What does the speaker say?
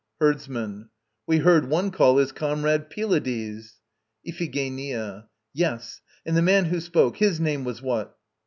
HERDSMAN. We heard one call his comrade "Pylades." IPHIGENIA. Yes. And the man who spoke his name was what?